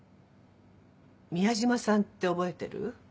宮島さんって覚えてる？